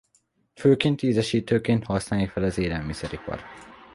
Főként ízesítőként használja fel az élelmiszeripar.